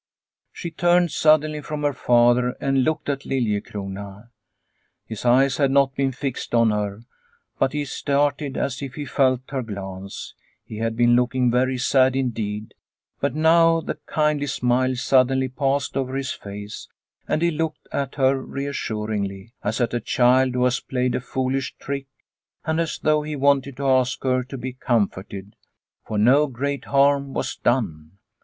She turned suddenly from her father and looked at Liliecrona. His eyes had not been fixed on her, but he started as if he felt her glance. He had been looking very sad indeed, but now the kindly smile suddenly passed over his face and he looked at her reassuringly, as at a child who has played a foolish trick and as though he wanted to ask her to be comforted, for no great The Accusation 231 harm was done.